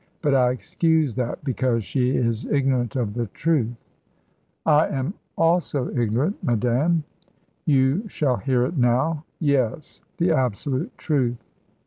But I excuse that because she is ignorant of the truth." "I am also ignorant, madame." "You shall hear it now yes, the absolute truth."